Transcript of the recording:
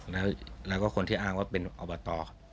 แล้วก็คนที่อ้างว่าเป็นอบต